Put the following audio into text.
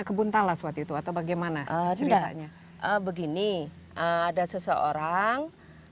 kebun talas waktu itu atau bagaimana ceritanya begini ada seseorang